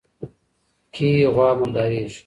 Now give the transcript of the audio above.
کي غوا مرداریږي